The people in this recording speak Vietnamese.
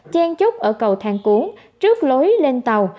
chen trúc ở cầu thang cuốn trước lối lên tàu